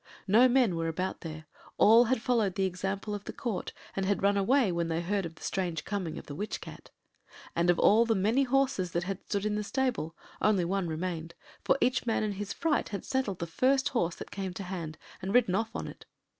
No men were about there—all had followed the example of the Court, and had run away when they heard of the strange coming of the witch Cat. And of all the many horses that had stood in the stable only one remained, for each man in his fright had saddled the first horse that came to hand and ridden off on it.